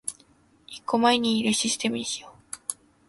一個前にいるシステムにしよう